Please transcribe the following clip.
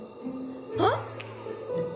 あっ！？